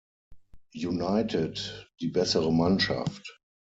United die bessere Mannschaft.